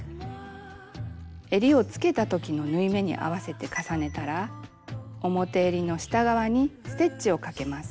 えりをつけたときの縫い目に合わせて重ねたら表えりの下側にステッチをかけます。